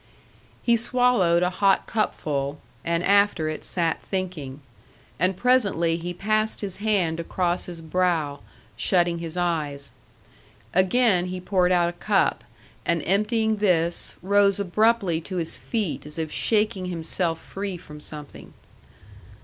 He swallowed a hot cupful, and after it sat thinking; and presently he passed his hand across his brow, shutting his eyes. Again he poured out a cup, and emptying this, rose abruptly to his feet as if shaking himself free from something.